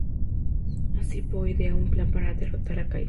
Así, Po idea un plan para derrotar a Kai.